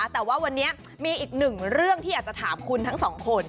แต่ว่าวันนี้มีอีกหนึ่งเรื่องที่อยากจะถามคุณทั้งสองคน